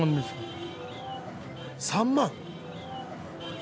３万！？